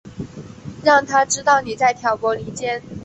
让他知道妳在挑拨离间